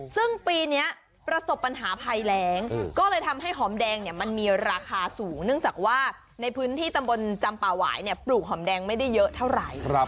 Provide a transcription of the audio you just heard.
ซึ่งปีนี้ประสบปัญหาภัยแรงก็เลยทำให้หอมแดงเนี่ยมันมีราคาสูงเนื่องจากว่าในพื้นที่ตำบลจำป่าหวายปลูกหอมแดงไม่ได้เยอะเท่าไหร่